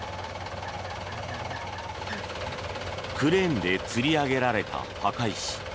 クレーンでつり上げられた墓石。